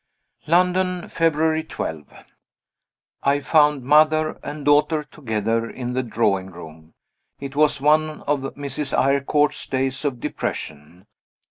London, February 12. I found mother and daughter together in the drawing room. It was one of Mrs. Eyrecourt's days of depression.